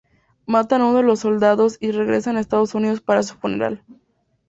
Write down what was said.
Matan a uno de los soldados y regresan a Estados Unidos para su funeral.